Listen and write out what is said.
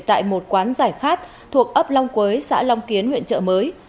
tại một quán giải khát thuộc ấp long quế xã long kiến huyện trợ mới